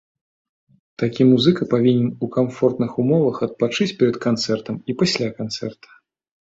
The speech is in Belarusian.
Такі музыка павінен у камфортных умовах адпачыць перад канцэртам і пасля канцэрта.